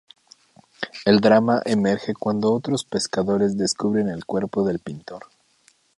El drama emerge cuando otros pescadores descubren el cuerpo del pintor.